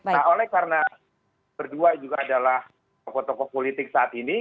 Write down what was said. nah oleh karena berdua juga adalah tokoh tokoh politik saat ini